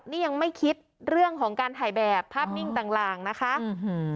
นี่ยังไม่คิดเรื่องของการถ่ายแบบภาพนิ่งต่างต่างนะคะอื้อหือ